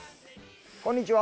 こんにちは。